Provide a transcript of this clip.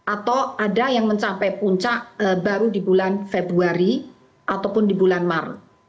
atau ada yang mencapai puncak baru di bulan februari ataupun di bulan maret